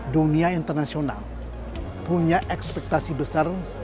dunia internasional punya ekspektasi besar